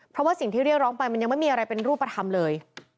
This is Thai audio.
เพราะว่าสิ่งที่เรียกร้องไปมันยังไม่มีอะไรเป็นรูปธรรมเลย